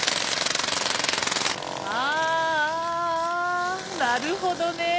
あああなるほどね。